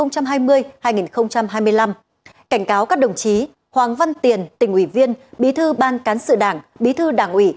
cảnh cáo các đồng chí hoàng văn tiền tỉnh ủy viên bí thư ban cán sự đảng bí thư đảng ủy